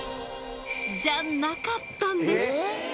じゃなかったんです。